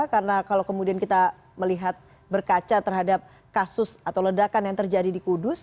karena kalau kemudian kita melihat berkaca terhadap kasus atau ledakan yang terjadi di kudus